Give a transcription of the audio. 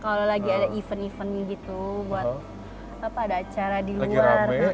kalau lagi ada event event gitu buat ada acara di luar